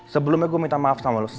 sebelumnya gue minta maaf sama lo